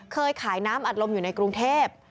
เคยขายน้ำอัดลมอยู่ในกรุงเทพ